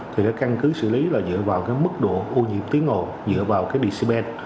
thì cái căn cứ xử lý là dựa vào mức độ ô nhiễm tiếng ngồ dựa vào cái decibel